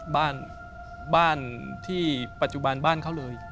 บ้านบ้านที่ปัจจุบันบ้านเขาเลย